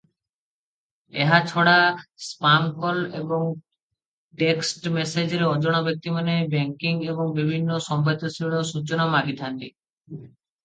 ଏହା ଛଡ଼ା ସ୍ପାମ କଲ ଏବଂ ଟେକ୍ସଟ ମେସେଜରେ ଅଜଣା ବ୍ୟକ୍ତିମାନେ ବ୍ୟାଙ୍କିଙ୍ଗ ଏବଂ ବିଭିନ୍ନ ସମ୍ବେଦନଶୀଳ ସୂଚନା ମାଗିଥାନ୍ତି ।